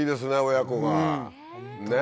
親子がねぇ。